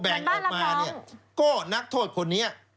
พอแบ่งออกมาก็นักโทษคนนี้